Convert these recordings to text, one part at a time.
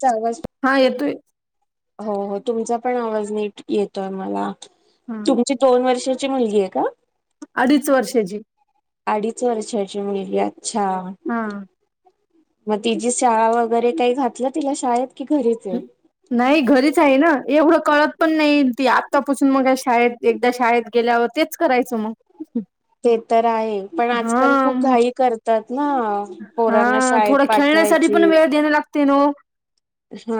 चा आवाज हा येतोय. हो हो तुमचा पण आवाज नीट येतोय मला हा तुमची दोन वर्ष ची मुलगी आहे का? अडीच वर्षाची. अडीच वर्षाची मुलगी अच्छा. हा मग तिची शाळा वगैरे काही घातलं तिला शाळेत? की घरीच आहे? नाही घरीच आहे ना एवढं कळत पण नाही ती आत्तापचून मग शाळेत एकदा शाळेत गेल्यावर तेच करायचं मग. ते तर आहे पण आजकाल हा खूप मग घाई करतात ना पोरांना शाळेत पाठवाय तरी पण वेळ देण लागते ना ओ अशना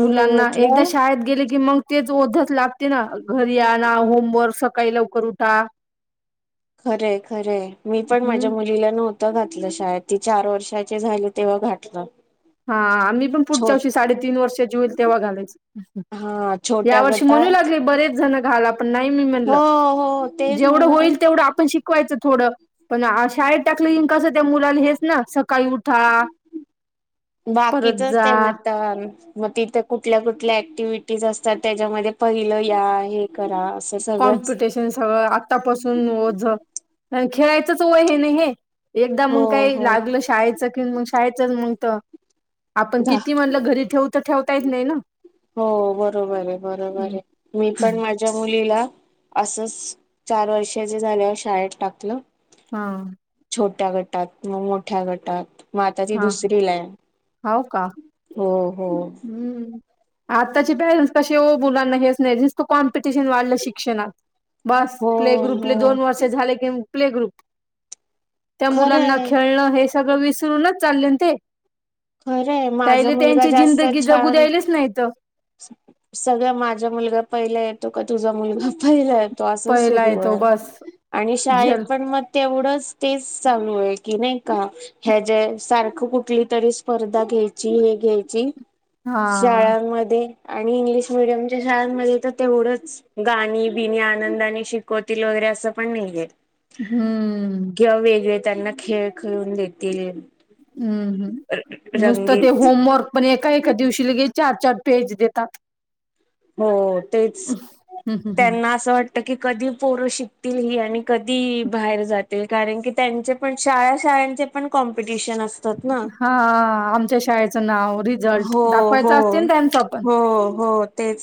मुलांना एकदा शाळेत गेले की मंग ते च ओझच लागते ना, घरी आणा, होमवर्क सकाळी लवकर उठा. खरय खरय मी पण माझ्या हम्म मुलीला नव्ह त घातलं शाळेत ती चार वर्षाची झाली तेव्हा घाटलं. हा मी पण पुढच्या वषी साडेतीन वर्षाची होईल तेव्हा घालायच. हा या छोट्या वर्षी म्हणू गटात लागले बरेच जण घाला पण नाही मी हो म्हणलं, हो तेच जेवढं म्हणूनच होईल तेवढं आपण शिक कवायचं थोडं, पण आ शाळेत टाकलं इन कसं त्या मुलाला हेच ना, सकाळी उठा [inaudible] परत बाकीचच जा त्यांना ताण मग तिथ कुठल्या कुठल्या ऍक्टिवी टीज असतात त्याच्यामध्ये पहिलं या हे करा असं सगळंच कॉम्पिटिशन सगळं आतापासून ओझ [unintelligible] खेळायचंच वय हे ना हे, एकदा हो मंग काही हो. लागलं शाळेचं कि मग शाळेचंच मंग त आपण धा किती म्हणलं घरी ठेवू तर ठेवता नाही ना हो बरोबर ये, बरोबर ये, मी पण माझ्या मुलीला असच चार वर्षाची झाल्यावर शाळेत टाकलं हा. छोट्या गटात मग मोठ्या गटात म आता ती दुसरीलाय, हा हो का हो हो हम्म. आत्ताचे पॅरेंट्स कसे हो बुलांना हेच नई, जिसत कॉम्पिटिशन वाढलं शिक्षणात बास हो प्ले ग्रुपले हो दोन वर्ष झाले, कीम प्ले ग्रुप त्या मुलांना खरंय खेळणं हे सगळं विसरूनच चालले ते खरे माझा त्यायले मुलगा त्यांची जास्त जिंदगी जगू छान द्यायलेच नाही तर सगळ माझा मुलगा पहिला तो का तुझा मुलगा पहिलाय तो असं पहिला सुरू येतो आहे बस आणि शाळेत जल पण मग तेवढेच तेच चालू आहे की नाही का ह्या जे सारखं कुठली तरी स्पर्धा घ्यायची हे घ्यायची हा शाळांमध्ये आणि इंग्लिश मिडियमच्या शाळांमध्ये तर तेवढंच गाणी बिणी आनंदाने शिकवतील वगैरे असं पण नाहीय हम्म त्यांना खेळ खेळून देतील हम्म हम् नुसतं ते रंगीत होमवर्क पण एका एका दिवशी लगेच चार चार पेज देतात हो हम् तेच हम् हम् त्यांना असं वाट बाकी कधी पोरं शिकतील ही आणि कधीही बाहेर जाते कारण की त्यांचे पण शाळा अशा त्यांचे पण कॉम्पिटिशन असत हा आमच्या शाळेचं नाव रीत हो हो हो हो तेच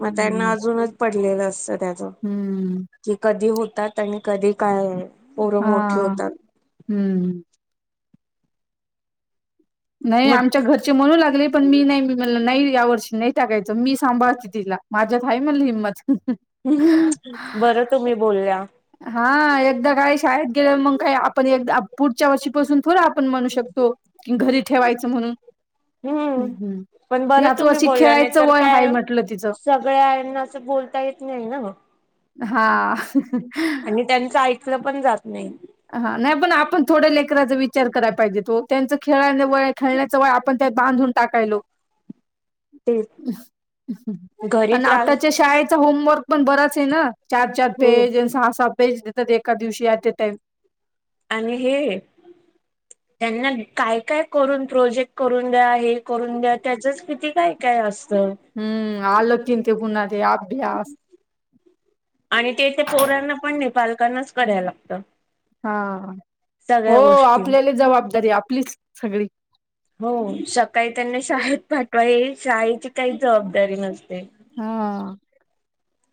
मग त्यांना अजूनच पटतं लिहिलं असतं त्याचं हम्म की कधी होतात आणि कधी काय होईल पोरं मोठी हा होतात हम्म नाही मग आमच्या घरचे म्हणू लागले पण मी नाही नाही या वर्षी नाही टाकायचं मी सांभाळते तिला माझ्यात हय म्हणलं हिम्मत हुं, हुं, हु बरं तुम्ही बोलल्या हा एकदा काय शाळेत गेलं मग काय आपण एकदा पुढच्या वर्षीपासून थोडं आपण म्हणू शकतो घरी ठेवायचं म्हणून हम्म पण बरं याच तुम्ही वर्षी बोलला नाही खेळायचं तर वय आहे काय म्हटलं तिचं सगळ्याना असं बोलता येत नाही ना हा आणि त्यांच ऐकलं पण जात नाही हा नाही पण आपण थोड्या लेकराचा विचार करायला पाहिजे हो त्यांच खेळा व खेळण्याच वय आपण त्यात बांधून टाकायलो ते घरी आणि त्रास आताच्या शाळेत होमवर्क पण बराच आहे ना चार चार हो पेज सहा सहा पेज देतात एका दिवशी आजच्या अँट अ टाईम आणि हे त्यांना काय काय करून प्रोजेक्ट करून द्या हे करून द्या त्याचच किती काय काय असत हम्म आलं की ते गुणाल अभ्यास आणि ते त्या पोरांना पण मी पालकांनाच करायला लागतं हा हो सगळ्या गोष्टी आपल्याला जबाबदारी आपलीच सगळी हो सकाळी त्यांनी शाळेत पाठवा ये शाळेची काही जबाबदारी नसते हा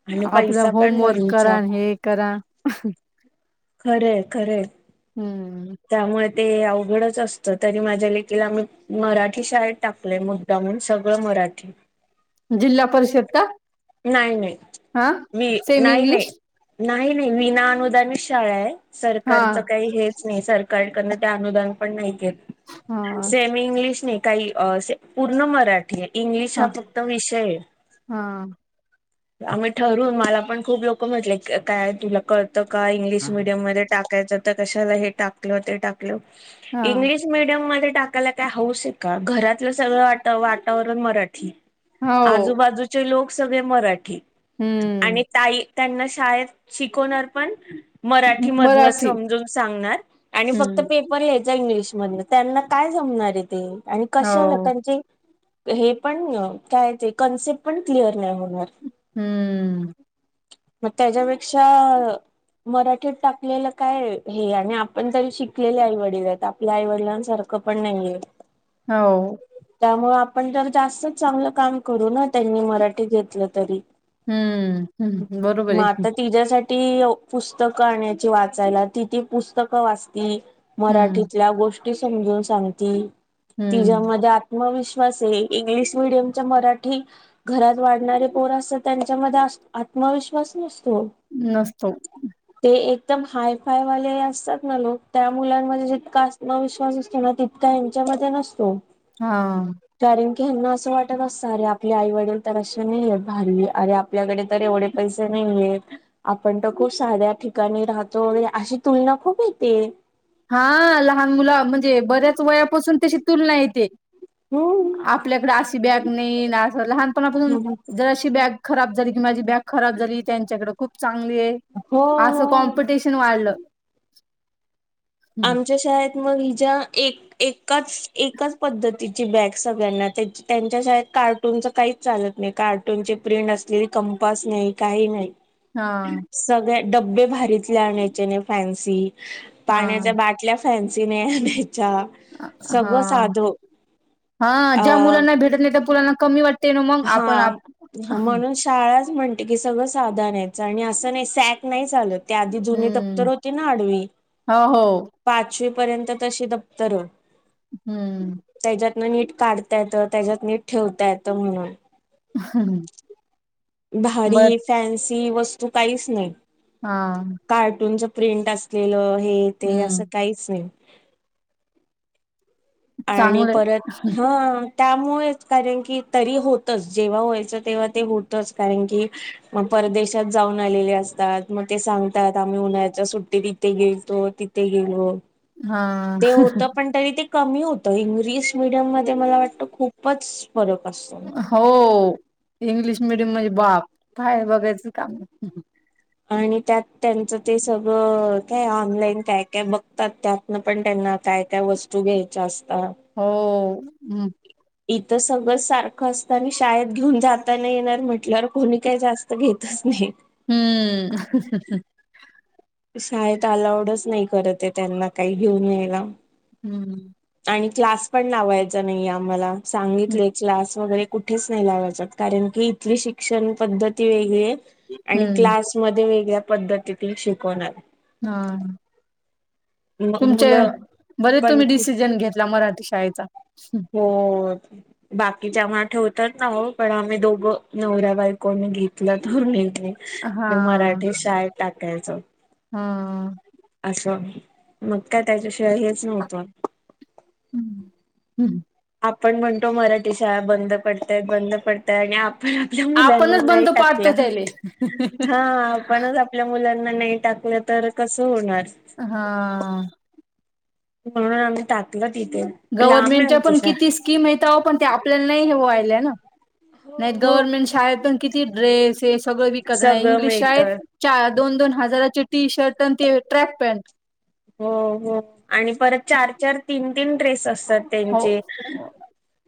आणि आपलं पैसा पण होमवर्क घरूचा करा हे करा खरंय खरंय हम्म त्यामुळे ते अवघडच असत तरी माझ्या लेखीला आम्ही मराठी शाळेत टाकलंय मुद्दामहून सगळं म काठी जिल्हा परिषद का नाही नाही हा मी सेमी नाही नाही इंग्लिश नाही नाही विना अनुदानित शाळा आहे हा सरकारचं काही हेच नाही सर काय काय कडन ते अनुदान पण नाही घेत हा सेमी इंग्लिश ने काही पूर्ण मराठी इंग्लिश हा फक्त विषय हा आम्ही ठरवू मला पण खूप लोक म्हटले काय तुला कळतं का इंग्लिश मीडियम मध्ये टाकायचं तर कशाला हे टाकलं ते टाकल हा इंग्लिश मीडियम मध्ये टाकायला काय हौऊस आहे का घरातलं सगळं वातावरण मराठी हो आजूबाजूचे लोक सगळे मराठी हम्म आणि ताई त्यांना शाळेत शिकवणार पण मराठीमधूनच मराठी समजून सांगणार आणि फक्त हम्म पेपर लिहायचं इंग्लिश मध्ये त्यांना काय जमणार आहे ते आणि कशाला हो त्यांचे हे पण काय ते कन्सेप्ट पण क्लिअर नाही होणार हम्म मग त्याच्यापेक्षा मराठीत टाकलेलं काय हे आणि आपण तरी शिकलेले आईवडील आहेत आपल्या आईवडिलांसारखं पण नाहीये हो त्यामुळे आपण जर जास्तच चांगलं काम करू ना त्यांनी मराठी घेतलं तरी हम्म, हं, बरोबर मग आहे. आता तिच्यासाठी ती पुस्तकं आणायची वाचायला ति पुस्तकं वाचती हं, मराठीतल्या गोष्टी समजून सांगती हं. तिच्यामध्ये आत्मविश्वास इंग्लिश मीडियम चा मराठी घरात वाढणारे पोर असं त्यांच्यामध्ये आत्मविश्वास नसत नसतो एकदम हाय फाय वाले असतात ना लोक त्या मुलांमध्ये जितका आत्मविश्वास असतो ना तितका यांच्या मध्ये नसतो हा कारण ह्यांना असं वाटत असणार आहे आपली आई वडील तर असे नाहीय भारी अरे आपल्याकडे तर एवढे पैसे नाहीयेत आपण तर खूप साधे ठिकाणी राहतो अशी तुलना खूप येते हा लहान मुलं म्हणजे बऱ्याच वयापासून त्याशी तुलना येते हम्म आपल्याकडे अशी बॅग नाही ना लहानपणापासून जर अशी बॅग खराब झाली कि माझी बॅग खराब झाली त्यांच्याकडे खूप चांगली आहे हो अस हो कॉमपिटिशन वाढलं हं, आमच्या शाळेत मग हिच्या एक एकाच पद्धती तिची बॅग सगळ्यांना त्यांच्या शाळेत कार्टूनच काहीच चालत नाही कार्टूनची प्रिंट असलेली कंपास नाही काही नाही हा सगळे डब्बे भारीतले आणायचे नाही फॅन्सी हा आटल्या फॅन्सीे अ, सगळं हां, साध हां. अ ज्या मुलांना भेटत नाही त्या मुलांना कमी वाटते ना मग आपण हा आप म्हणून शाळा म्हणते की सगळं साधं आणायचं आणि असं नाही सॅक नाही चालत त्याआधी जुनी हं, दप्तर होती ना आडवी हो, हो. पाचवी पर्यंत तशी दप्तर हम्म त्याच्यातनं नीट काढता येत त्याच्यात नीट ठेवता येत म्हणून हम्म भारी फॅन्सी वस्तू काहीच नाही हा कार्टूनच प्रिंट असलेलं हे ते हं. असं काहीच नाही आणि चांगले परत हा त्यामुळेच कारण की तरी होतच जेव्हा व्हायचं तेव्हा ते होतच कारण की परदेशात जाऊन आलेले असतात मग ते सांगतात आम्ही उन्हा्याच्या सुट्टीत इथे गेलतो तिथं गेल लो हा ते होत पण तरी ते कमी होत इंग्रीश मिडीयम मध्ये मला वाटतं खूपच फरक असतो हो इंग्लिश मिडम म्हणजे बाप पाय बघायचं काम नाय. आणि त्यात त्यांचं ते सगळं काय ऑनलाईन काय काय बघतात त्यातन पण त्यांना का काय काय वस्तू घ्यायच्या अस हो हम् इथं सगळं सारखं असतं आणि शाळेत घेऊन जाताना येणार म्हटल्यावर कोणी काही जास्त घेतच नाही. हम्म शाळेत अलावडच नाही करत आहे त्यांना काही घेऊन यायला. हम्म आणि क्लास पण लावायचा नाईये आम्हाला सांगितलय क्लास वगैरे कुठेच नाही लावायचात कारण की इथली शिक्षण पद्धती वेगळीये आणि हम्म क्लास मध्ये वेगळ्या पद्धतीतून शिकवणार. हा मग तुमचे मुलं बरे पण तुम्ही डिसिजन घेतला मराठी शाळेचा. हो बाकीच्या आम्हा ठेवतात ना हो पण आम्ही दोघं नवराबायकोनी घेतलं तो निर्णय. हा कि मराठी शाळेत टाकायचं. हा असं मग काय त्याच्याशिवाय हेच नव्हतं हम्म हम्म आपण म्हणतो मराठी शाळा बंद पडताय बंद पडताय आणि आ आ आपण आपल्या मुलांना आपणच नाही बंद पाडतो टाकलं त्याले हा आपणच आपल्या मुलां नाही टाकलं तर कस होणार. हा म्हणून आम्ही टाकलं. तिथे लांब आहे गव्हर्नमेंटच्या आमची पण शाळा किती स्कीम येत आओ पण ते आपल्याला नाई हो व्हायल्या ना. नाही हो. गव्हर्नमेंट शाळेत पण किती ड्रेस हे सगळं विकत नाही सगळं इंग्लिश मिळत शाळेत चार, दोन दोन हजाराची टी शर्ट आणि ते ट्रॅक पॅन्ट. हो हो आणि परत चार चार, तीन तीन ड्रेस असतात त्यांचे.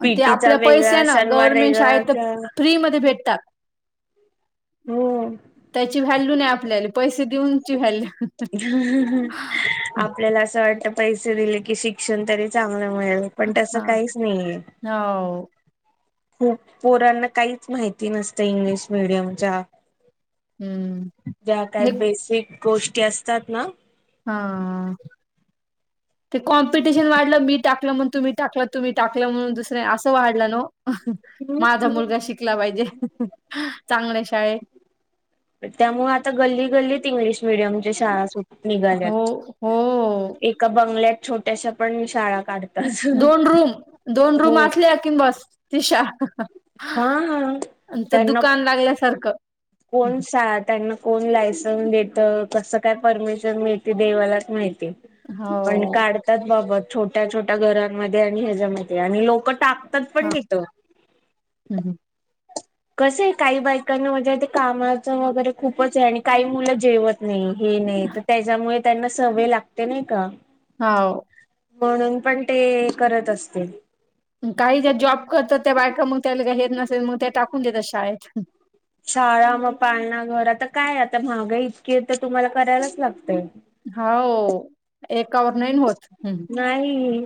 अन् ते पीटीचा आपल्या पैश्या वेगळा न शनिवार गव्हर्नमेंट शाळेत वेगळा त फ्रीमध्ये भेटतात. हो त्याची व्हॅल्यू नाही आपल्याला पैसे देऊनची व्हॅल्यू. हा आपल्याला असं वाटत पैसे दिले की शिक्षण तरी चांग मिळेल पण तस काहीच नाईये. हो खूप पोरांना काहीच माहिती नसत इंग्लिश मिडीयमच्या. हम्म ज्या काय हे बेसिक गोष्टी असतात ना! हा ते कॉम्पिटिशन वाढलं मी टाकलं मग तुम्ही टाकलं तुम्ही टाकलं म्हणून दुसरे असं वाढलं न ओ. माझा मुलगा शिकला पाहिजे चांगल्या शाळे. त्यामुळे आता गल्ली गल्लीत इंग्लिश मिडीयमच्या शाळा सु निघाल्या हो हो एका बंगल्यात छोट्याश्या पण शाळा काढतात दोन रूम दोन हो रूम असल्या किं बस ति शाळा. हा हा आणि त त्यांना दुकान लागल्यासारखं. कोण सा त्यांना कोण लायसन देत कसं काय परमिशन मिळती देवालाच माहीत. हो पण काढतात बाबा! छोट्या - छोट्या घरांमध्ये आणि ह्याज्यांमधे आणि लोक टाक तत् पण हा तिथं. कसं आहे काही बायकांना म्हणजे ते कामाचं वगैरे खूपच आहे आणि काही मुलं जेवत नाही. हे नाही, तर त्याच्यामुळे त्यांना सवय लागते नाही का? हाऊ. म्हणून पण ते करत असते. काही ज्या जॉब करतात, त्या बायका मग त्याला काय येत नसेल मग त्या टाकून देतात शाळेत. शाळा मग पाळणा घर आता काय आता महागा इतकी है तर तुम्हाला करायलाच लागतंय. हो एकावर नाहीन होत. नाही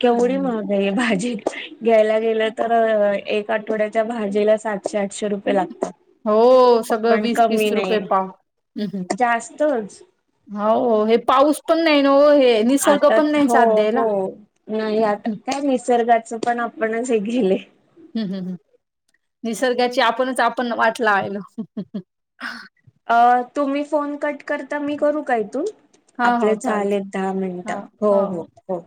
केवढी महागाई भाजी? घ्यायला गेलं तर एक आठवड्याच्या भाजीला सातशे-आठशे रुपये लागतात. हो, सगळं पण वीस तीस कमी रुपये नाही पाव. हम् हम्. जास्तच हो, हे पाऊस पण नाही. ना हो हे निसर्ग आता पण नाही हो साथ हो, द्यायला नाही आता काय निसर्गाचं पण आपणच हे केलंय. हम्म हम् हम्, निसर्गाची आपणच आपण वाट लावायलो. अ तुम्ही फोन कट करता, मी करू का इथून? हो आपले हो चालत झालेत दहा मिनिटं, हो हो हो.